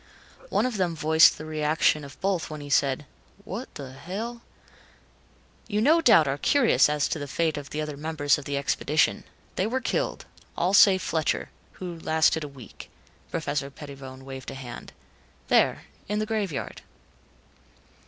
One of them voiced the reaction of both when he said, "What the hell " "You no doubt are curious as to the fate of the other members of the expedition. They were killed, all save Fletcher, who lasted a week." Professor Pettibone waved a hand. "There in the graveyard."